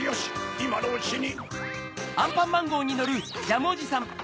いまのうちに。